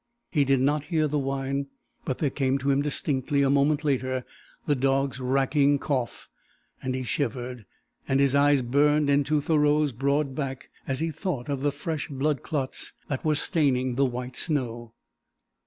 He did not hear the whine, but there came to him distinctly a moment later the dog's racking cough, and he shivered, and his eyes burned into Thoreau's broad back as he thought of the fresh blood clots that were staining the white snow.